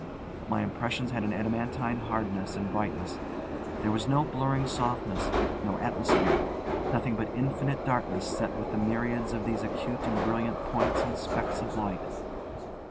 My impressions had an adamantine hardness and brightness: there was no blurring softness, no atmosphere, nothing but infinite darkness set with the myriads of these acute and brilliant points and specks of light.